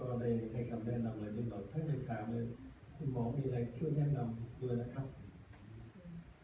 ว่าได้ใครคำแนะนำอะไรก็ตลอดถ้าใครถามเลยคุณหมอมีอะไรช่วยแนะนำก็ได้ครับ